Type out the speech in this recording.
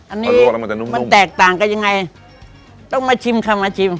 อันนี้มันแตกต่างกับยังไงต้องมาชิมค่ะมาชิม